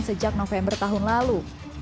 sejak november tahun lalu